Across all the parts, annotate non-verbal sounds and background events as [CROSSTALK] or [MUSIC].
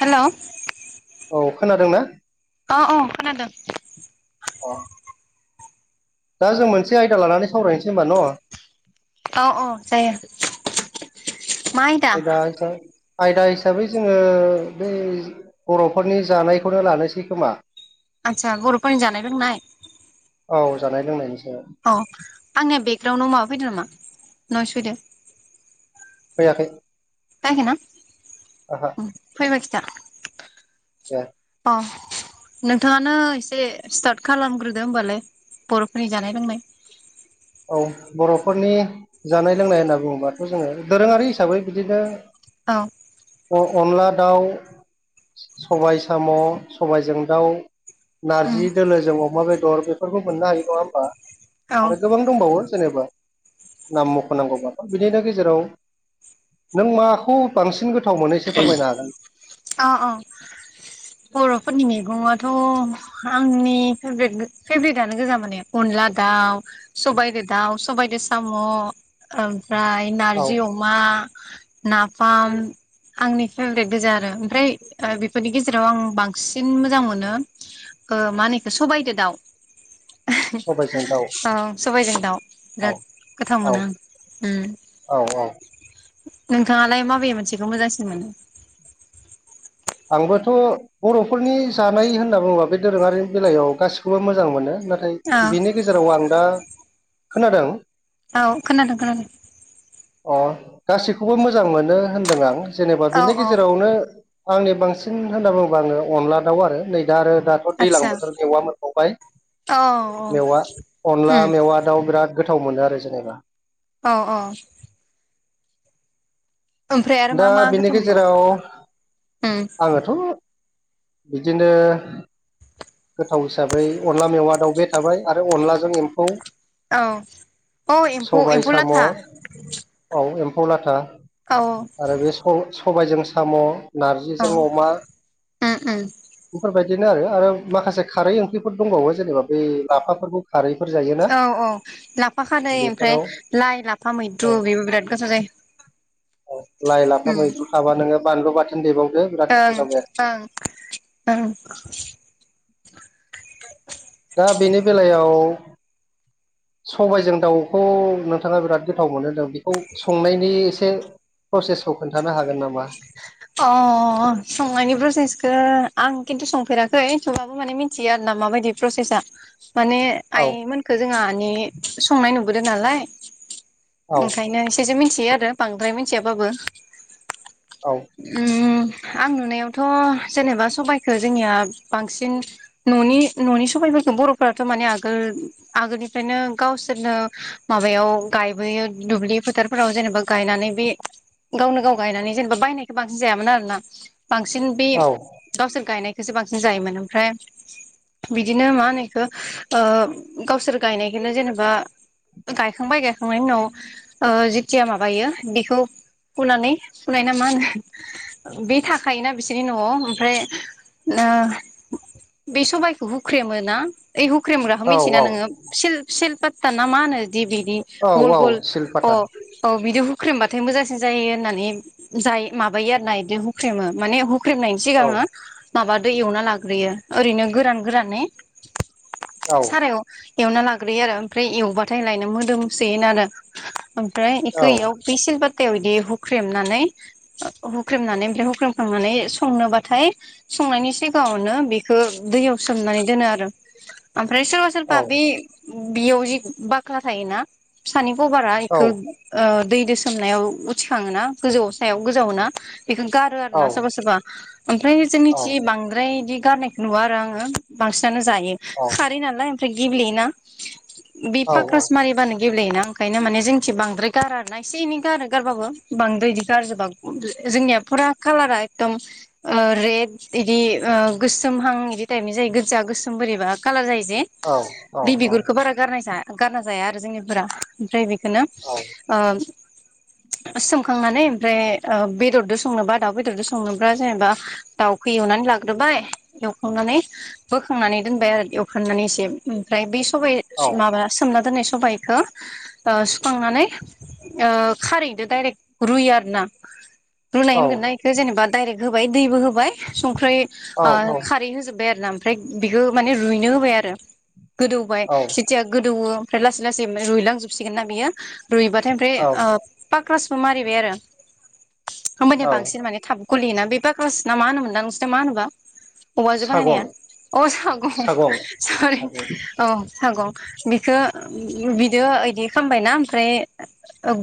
हेल' औ खोनादों ना? औ औ खोनादों। अ दा जों मोनसे आयदा लानानै सावरायनोसै होनबा न'? औ औ जायो। मा आयदा [UNINTELLIGIBLE] ओमफ्राय जोङो बै बर'फोरनि जानायखौनो लानोसै खोमा? आतसा बर'फोरनि जानाय लोंनाय? औ जानाय लोंनायनि सा अ आंनिया बेकग्राउणडआव माबा फैदो नामा नयस फैदो? फैयाखै। फैयाखै ना? फैबा खिन्था। उम। [INAUDIBLE] नोंथाङानो एसे स्टार्ट खालामग्रोदो होमबालाय बर'फोरनि जानाय लोंनाय। औ बर'फोरनि जानाय लोंनाय होनना बुङोबाथ' जोङो दोरोङारि हिसाबै बिदिनो औ। अनला दाउ सबाय साम' सबायजों दाउ उम नार्जि दोलोजों अमा बेदर बेफोरखौ मोननो हायो नंङा होमबा? औ। बावो जेनेबा नाम मख'नांगौबा बिदिनो गेजेराव नों माखौ बांसिन गोथाव एसे फोरमायनो हागोन? अ अ। बर'फोरनि मैगङाथ' आंनि फेभ्रेट फेभ्रेटानो गोजा माने अनला दाउ सबायजों दाउ सबायजों साम' ओमफ्राय औ नारजि अमा, नाफाम आंनि फेभरेट गोजा आरो ओम फ्राय ओ बेफोरनि गेजेराव आं बांसिन मोजां मोनो ओ मा होनो एखौ सबाइदो दाउ। सबायजों दाउ औ सबायजों दाउ औ बिराद गोथाव औ मोनो आं। उम औ औ। नोंथाङालाय माबे मोनसेखौ मोजांसिन मोनो? आंबोथ' बर'फोरनि जानाय होनना बुङोबा बे दोरोङारि बेलायाव गासिखौबो मोजां मोनो। नाथाय औ बिनि गेजेराव आं दा खोनादों? औ खोनादों खोनादों। अ गासैखौबो मोजां मोनो होनदों आं जेनेबा औ बिनि औ गेजेरावनो आंनि बांसिन होनना बुङोबा आङो अनला दाउ आरो नै आरो दाथ' दैज्लां आदसा बोथोर मेवा मोनबावबाय। औ मेवा उम अनला मेवा दाउ बिराद गोथाव मोनो आरो जेनेबा। औ औ। ओमफ्राय आरो दा मा मा बिनि गोथाव मोनबावो गेजेराव उम आङोथ' बिदिनो गोथाव हिसाबै अनला मेवा दाउबाय थाबाय आरो अनलाजों एम्फौ औ औ एम्फौ सबाय एम्फौ साम' लाथा औ फौ लाथा औ आरो बे स-सबायजों साम' औ नारजिजों अमा उम उम बेफोरबायदिनो आरो आरो माखासे खारै ओंख्रिफोर दंबावो जेनेबा बे लाफाफोरनि औ औ लाफा खारै ओमफ्राय बेफोराव लाइ लाफा औ मैद्रु बेबो बिराद गोथाव जायो। लाइ लाफा उम मैद्रु थाबा नोङो बानलु बाथोन देबाव ओं ओं ओं। दा बेनि बेलायाव सबायजों दाउखौ नोंथांङा बिराद गोथाव मोनो होनदों बेखौ संनायनि एसे प्रसेसखौ खोन्थानो हागोन नामा अ संनायनि प्रसेसखौ आं खिन्थु संफेराखै थेवबाबो माने मिथियो आरो ना माबायदि प्रसेसा। माने औ आइमोनखौ जोंहा माने संनाय नुबोदों नालाय औ ओंखायनो एसे एसे मिथियो आरो बांद्राय मिथियाबाबो। औ उम आं नुनायावथ' जेनेबा सबाइखौ जोंनिया बांसिन न'नि न'नि सबाइ बर'फोराथ' माने आगोल आगोलनिफ्रायनो गावसोरनो माबायाव गायबोयो। दुब्लि फोथारफोराव जेनेबा गायनानै बे गावनो गाव गायनानै जेन बायनायखौ बांसिन जायामोन आरोना बांसिन बे औ गावसोर गायनाय बेसेबांसिम जायोमोन। ओमफ्राय बिदिनो मा होनो एखौ ओ गावसोर गायनायखौनो जेनेबा गायखांबाय गायखांनायनि उनाव जिथिया माबायो बेखौ फुनानै फुनायना मा होनो बे थाखायोना बिसोरनि न'आव ओमफ्राय ओ बे सबायाइखौ हुख्रेमो ना एइ हुख्रेमग्राखौ औ मिथियो औ ना नोङो सेल सेल्पाटा ना मा होनो। बिदि बिदि औ गल औ गल अ सिलपाता औ बिदि हुख्रेमबाथाय मोजांसिन जायो होननानै जायो माबायो आरो बिदि हुख्रेमो माने हुख्रेमनायनि औ सिगांनो माबा दै एवना लाग्रोयो ओरैनो गोरान गोरानै औ सारायाव एवना लाग्रोयो आरो ओमफ्राय एवब्लाथाय लायनो मोदोमसोयोनो आरो ओमफ्राय औ इखौ इयाव बेसिलबाताव इदि हुख्रेमनानै [INAUDIBLE] हुख्रेमनानै ओमफ्राय हुख्रेमख्रांनानै संनोबाथाय संनायनि सिगाङावनो बेखौ दैयाव सोमनानै दोनो आरो। [INAUDIBLE] ओमफ्राय सोरबा औ सोरबा बे बियाव जि बाख्रा थायोना फिसानि कबारा बेखौ औ ओ दैदो सोमनायाव उथिखाङोना गोजौ सायाव गोजावो ना एखौ गारो औ आरोना सोरबा सोरबा। ओमफ्राय औ जोंनिथि बांद्राय इदि गारनायखौ नुवा आरो आङो बांसिनानो जायो औ खारै नालाय ओमफ्राय गेब्लेयोना। बिदि औ पाक्रास मारिबानो गेब्लेयो ना ओंखायनो माने जोंनिथिं बांद्राय गारा आरोना इसे एनै गारो गारबाबो बांद्राय इदि जोंनिया फुरा कालारा एदम रेद ओ इदि गोसो महां बिदि टाइपनि जायो गोजा गोसोम बोरैबा कालार जायो दि औ बि बिगुरखौ बारा गारनाय जा गारना जाया आरो जोंनिफोरा ओमफ्राय खौनो ओ सोमखांनानै ओमफ्राय ओ बेदरजों संनोबा दाउ बेदरजों संनोब्ला जेनेबा दाउखौ एवनानै लाग्रोबाय एवखांनानै बोखांनानै दोनबाय आरो एवखांनानै एसे ओमफ्राय बेै सबाइ माबा सोमना दोननायसो सबबायखौ ओ सुखांनानै ओ खारैदो डाइरेक्ट रुयो आरो ना रुनाय होनगोन ना बेखौ जेनेबा डाइरेक्ट होबाय दैबो होबाय ओमफ्राय ओ खारै होजोबबाय आरोना ओमफ्राय बेखौ माने रुइनो होबाय आरो। गोदौबाय औ जेथिया गोदौवो ओमफ्राय लासै लासै रुइलांजोबसिगोन ना बियो। रुइबाथाय ओमफ्राय ओ पाक्रासबो मारिबाय आरो। होमबानिया औ बांसिन माने थाब गलियोना बे बाग्रास ना मा होनोमोनदां नोंसिना मा होनोबा। औवाजों सागं बाानायनायनाया औ सागं सागं औ। सागं बिखौ बिदि इदि खालामबायना ओमफ्राय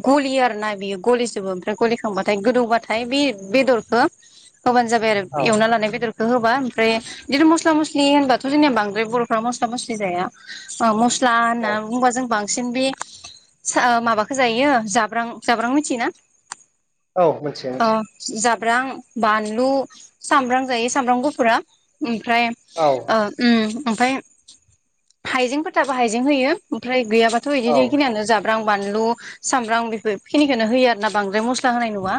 गलि आरोना। बियो गलिसोबो। गलिखांबाथाय गोदौबाथाय बे बेदरखौ होबानो जाबाय आरो औ एवना लानाय बेदरखौ। होबा ओमफ्राय बिदिनो मस्ला मस्लि होनबाथ' जोंनिया बांद्राय बर'फ्रा मस्ला मस्लि जाया ओ स्ला औ होनना बुंबा जों बां सिन बे माबाखौ जायो जाब्रां जाब्रां मिथियोना? औ मिथियो मिथियो। ब्रां बानलु सामब्राम जायो सामब्राम गुफुरा ओ। ओमफ्राय औ ओ ओम ओमफ्राय हाइजेंफोरथाबा हाइजें होयो ओमफ्राय औ गैयाबाथ'इदिनो इखिनियानो जाब्रां बानलु सामब्राम बेफोर खिनिखौनो होयो आरो ना। बांद्राय मस्ला होनाय नुवा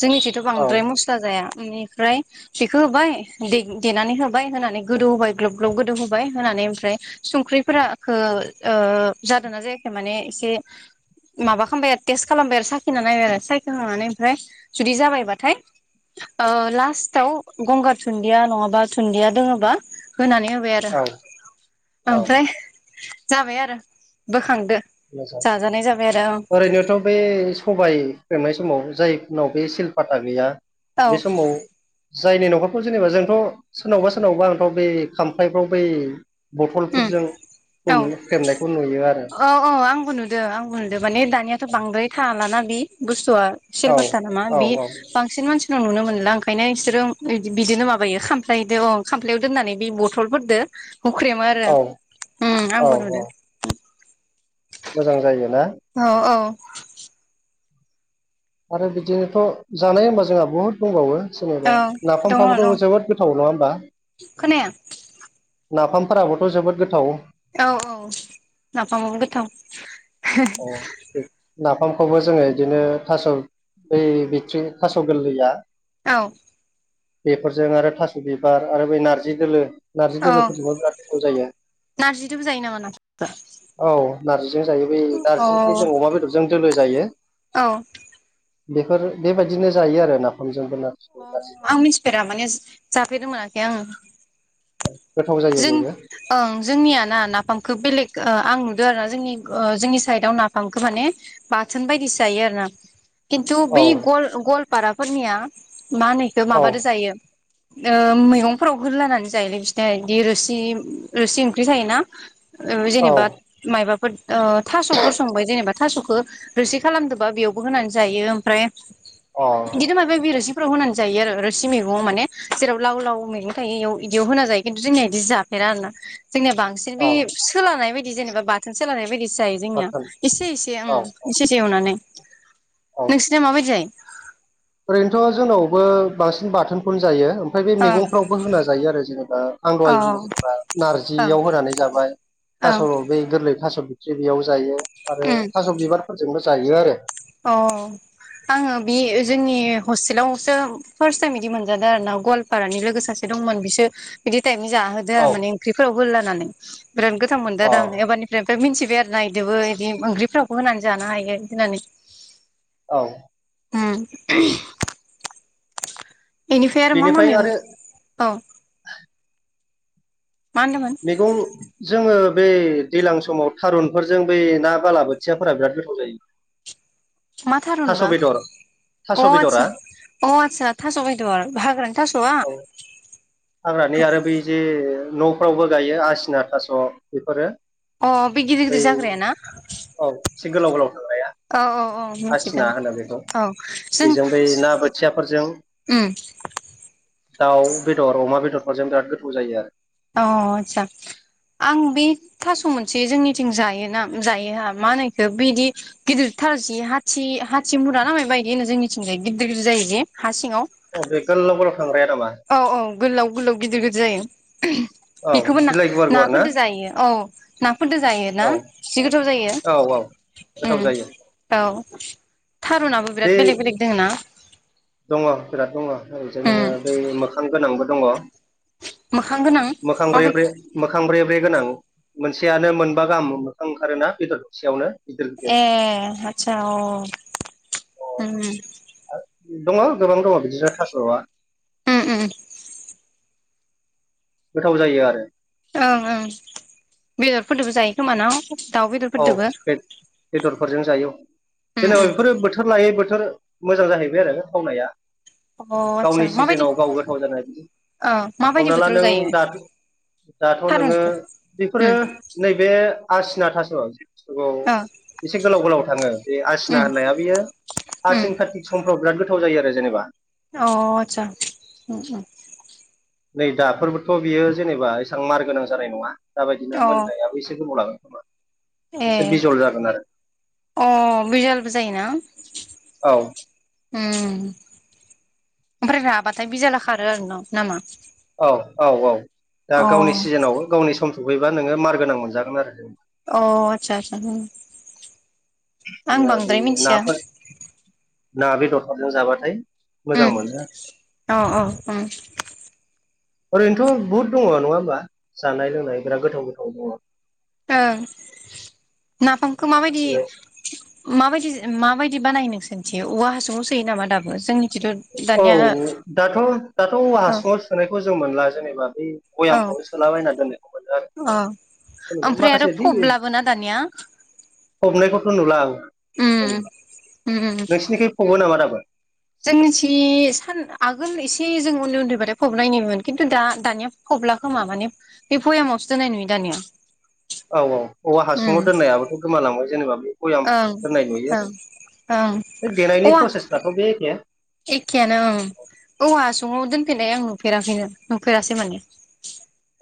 जोंनिथिथ' औ बांद्राय मस्ला जाया। ओमफ्राय बेखौ होबाय दे-देनानै होबाय होनानै गोदौ होबाय ग्लब ग्लब गोदौ होबाय होनानै ओमफ्राय संख्रिफोराखौ ओ जादोंना जायाखै माने एसे माबा खालामबाय आरो टेस्ट खालामबाय आरो साखिना नायबाय सायखनानै ओमफ्राय जुदि जाबायबाथाय ओ लास्ट आव गंगार दुन्दिया सुन्दिया नङाबा सुन्दिया दोङोबा। होनानै होबाय आरो औ औ ओमफ्राय जाबाय आरो बोखांदो। [UNINTELLIGIBLE] जाजानाय जाबाय आरो ओरैनोथ' बे सबाइ [UNINTELLIGIBLE] समाव जाय उनाव बे सिलपाता गैया औ बे समाव जायनि न'खरखौ जेनेबा जोंथ' सोरनावबा सोरनावबा आंथ' बै खामफ्लायफ्राव बै। उम बथलफोरजों समै होख्रेमनायखौ नुयो आरो। अ आंबो नुदो आंबो नुदो माने दानियाथ' बांद्राय थलााना बे बुस्थु। थुआ औ सिलपाता नामा औ बे औ बांसिन मानसिनाव नुनो मोन ना ओंखायनो इसोरजों बिदिनो माबायो खाम्लायजों खाम्फायाव दोननानै बे बथलफोरजों हुखेब औ ओं औ आंबो नु'दो। मोजां जायो। अ औ। आरो बिदिनोथ' जानाय होनबा जोंहा बुहुद दंबावो। जेनेबा औ दङ दं नाफामफ्राबोथ' जोबोद गोथाव नङा होमबा। खोनाया नाफामफोराबोथ' जोबोद गोथाव। औ औ नाफाम आबो गोथाव। अ बे‌ ना। फामखौबो जोङो इदिनो थास' बै बिथ्रि थास' गोरलैया औ। बेफोरजों आरो थास' बिबार आरो बै नारजि दोलो। नारजि औ दोलोफोरजोंबा बिराद गोथाव जायो नारजिदोबो जायो नामा नाफाम औ। नारजिजों जायो बै नारजिजों जों अ अमा बेदरजों दोलो जायो। औ। बेफोर बेबायदिनो जायो आरो नाफामजों। अ आं मिथिफेरा माने जाफेरनोमोनाखै आं। गोथाव जायो जों बेबो ओं जोंनियाना नाफामखौ बेलेग। ओ आं नुदों आरो ना जोंनि जोंनि साइदआव नाफामखौ माने बाथोन बायदिसो जायो आरो ना। खिन्थु औ बै गल गवालपाराफोरनिया मा होनो इखौ औ माबादो जायो। ओ मैगंफोराव होलानानै जायोलै बिसिना इदि रोसि रोसि ओंख्रि थायोना। ओ औ जेनेबा मायबा। ओ थास'फोर संबाय जेनेबा थास'खौ रोसि खालामदोंबा बेयावबो होनानै जायो ओमफ्राय अ बिदि माबाबा बिरसि फोराव होनानै जायो आरो रोसि मैगङाव माने जेराव लाव लाव मैगं थायो इयाव इदियाव होना जायो। खिन्थु जोंनिया बिदि जाफेरा आरो ना जोंनिया बांसिन बे औ सोलानाय बायदि जेनेबा बाथोन सोलानाय बायदिसो जायो जोंनिया बाथोन एसे एसे औ ओं एसे एवनानै औ नोंसिना माबायदि जायो? ओरैनोथ' जोंनावबो बांसिन बाथोनखौनो जायो। ओमफ्राय बे ओं मैगंफ्रावबो होना जायो आरो जेनेबा आं दहाय बुङो औ जेनेबा ओं नार्जियाव होनानै जाबाय। थास' ओं बे गोरलै थास' बिथख्रि बेयाव जायो आरो उम थास' बिबारफोरजोंबो जायो आरो। अ आङो बे जोंनि। हस्टेल आवसो फार्स्ट टाइम बिदि मोनजादों आर ना गवालपारानि लोगो सासे दंमोन बिसो बिदि फिथाइनि जाहोदो औ आरो माने ओंख्रिफोराव होलानानै बिराद गोथां अ मोनददों आरो आं एबारनिफ्राय मिथि बेर नायदोबो बिदि ओंख्रिफ्रावबो होनानै जानो हायो होननानै औ। उम बेनिफ्राय आरो मा मा मैगं औ मा होनदोंमोन मैगं जोङो बै दैजलां समाव थारुनफोरजों बै ना बालाबोथियाफोरा बिराद गोथाव जायो। मा थारुन थास' बा? बेदर थास' अ बेदरा आतसा अ आतसा थास' बेदर हाग्रानि थास'आ? औ हाग्रानि आरो बै जे न'फ्रावबो गायो आसिना थास' बेफोरो। अ बे गिदिर गिदिर बै जाग्रायाना? औ एसे गोलाव गोलाव थांनाया औ औ औ मिथिदो आसिना होनो बेखौ औ जों बेजों बै ना बोथियाफोरजों उम। दाउ बेदर अमा बेदरफोरजों बिराद गोथौ जायो आरो। अ आतसा। आं बे थास' मोनसे जोंनिथिं जायोना जायोहा मा होनो इखो बिदि गिदिर थारजि हाथि हाथिमुरा ना माय बायदि होनो जोंनिथिं गिदिर गिदिर जायोदिे अ बे गोलाव गोलाव थांग्राया नामा औ औ गोलाव गोलाव गिदिर गिदिर जायो। [INAUDIBLE] बेखौबो बिलाइ गुवार गुवार ना नाफोरजों जायो औ नाफोरजों जायोना औ जि गोथाव जायो। औ औ गोथाव उम जायो औ थारुनाबो बे बिराद बेलेग बेलेग दोङो ना? दङ बिराद दङ ओरैजाय नोङो उम बै मोखां गोनांबो दङ मोखां गोनां मोखां माब्ला ब्रे-ब्रे मोखां ब्रे-ब्रे गोनां मोनसेयानो मोनबा गाहाम मोखां ओंखारोना बेदर दरसेयावनो? ए आतसा अ-अ ओम। दङ गोबां दङ बिदिनो थास'आ। ओ‌ ओ। गोथाव जायो आरो। ओं ओं बेदरफोरजोंबो जायो खोमाना? औ बे बेदरफोरजों जायो उम जेनेबा उम बेफोरो बोथोर लायै बोथोर मोजां जाहैबाय आरो थावनाया अ गावनि आतसा माबायदि सिजोनाव गाव गोथाव जानाय बिदि ओ माबायदि हमना ला बोथोराव नों जायो दा दाथ' नोङो थारुनखौ बेफोरो उम नैबे आसिना थास' बे बुुसथुखौ ओ एसे गोलाव गोलाव थाङो बे आसिना उम होननाया बियो उम आसिन कातिक समफ्राव बिराद गोथाव जायो आरो जेनेबा अ आतसा उम उ। नै दाफोरबोथ' बियो जेनेबा एसेबां मार गोनां जानाय नङा दाबायदिनो अ मोननायाबो एसे गोबाव लागोन। खोमा ए एसे बिजल जागोन आरो अ बिजलबो जायोना? औ। ओम ओमफ्राय राबाथाय बिजाला खारो आरो ना नामा? औ औ औ दा अ गावनि सिजोनावबो गावनि सम सफैबा नोङो मार गोनां मोनजागोन आरो। अ आतसासा ओम। आं नोङो बे बांद्राय मिथिया नाफोर ना बेदरफोरजों जाबाथाय मोजां उम मोनो अ अ ओरैनोथ' बहुद दङ नङा होमबा जानाय लोंनाय बिराद गोथाव गोथाव दङ। ओं नाफामखौ माखासे माबायदिजों माबाय बिदि बानाय नों सोंथि औवा हासुं आव सोयो नामा दाबो जोंनि थिं थ'। औ दाथ' दाथ' औवा औ हासुङाव सुोनायखौ जों मोनला जेनेबा बै औ बयामखौबो सोलाबायना दोननायखौ मोनो आरो। औ जेनेबा ओमफ्राय आरो माखासे दै फब लाबोना दानिया? फबनायखौथ' नुला उम उम उम नोंसिरनिखै फबो नामा दाबो? जोंनिथि सान आगोल एसे जों उन्दै उन्दै बथाय फब नायनायनिमोन खिन्थु दा दानिया फब- थब्ला खोमा माने बे भयामावसो दोननाय नुयो दानिया। औ औ औवा हासुंव उम दोननायाबोथ' गोमालांबाय जेनेबा बे ब'याम दोननाय नुयो आरो। बे देनायनि औ अ प्रसेसफ्राथ' बे एखे एखेयानो‌ औवा हासुङाव दोनफेरनाय आं नुफेराखैनो माने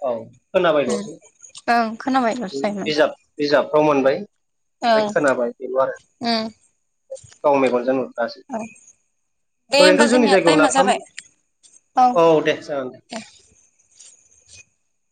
औ उम खोनाबायल'सो ओं खोनाबायल'सो दायोमोन बिजाब बिजाबफ्राव मोनबाय ओमफ्राय ओं खोनाबाय बेल' आरो उम गाव मेगनजों नुखासै औ दे होमबा ओरैनोथ' जोंनि जोंनिया जायगायाव टाइमा नाफाम जाबाय औ दे जागोन दे।